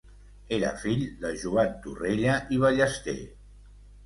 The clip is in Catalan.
Era fill de Joan Torrella i Ballester.